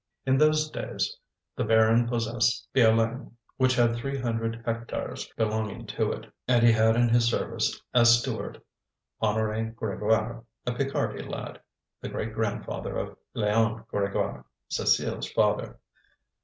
In those days the baron possessed Piolaine, which had three hundred hectares belonging to it, and he had in his service as steward Honoré Grégoire, a Picardy lad, the great grandfather of Léon Grégoire, Cécile's father.